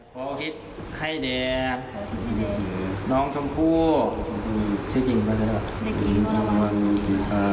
ขอพิธีให้แดดน้องชมพู